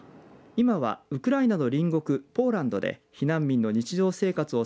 今はウクライナの隣国ポーランドで避難民の日常生活を